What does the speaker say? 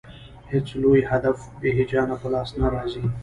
هېڅ لوی هدف بې هیجانه په لاس نه راځي.